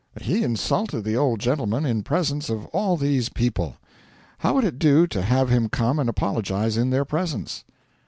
'He insulted the old gentleman in presence of all these people. How would it do to have him come and apologise in their presence?'